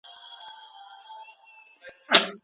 طلاق په لغت کي د خلاصون او قيد پورته کولو په معنی دی.